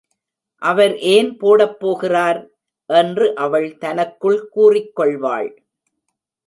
அவர் ஏன் போடப் போகிறார்? என்று அவள் தனக்குள் கூறிக் கொள்வாள்.